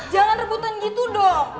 jangan rebutan gitu dong